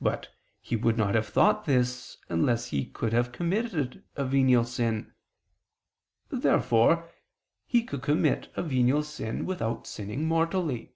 But he would not have thought this unless he could have committed a venial sin. Therefore he could commit a venial sin without sinning mortally.